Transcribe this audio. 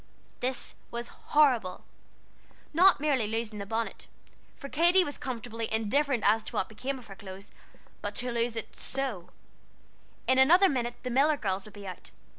This was horrible! Not merely losing the bonnet, for Katy was comfortably indifferent as to what became of her clothes, but to lose it so. In another minute the Miller girls would be out.